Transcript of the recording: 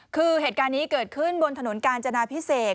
คือเหตุการณ์นี้เกิดขึ้นบนถนนกาญจนาพิเศษ